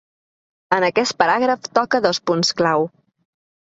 En aquest paràgraf toca dos punts clau.